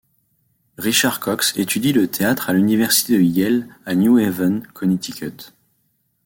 Richard Cox étudie le théâtre à l'université de Yale à New Haven, Connecticut.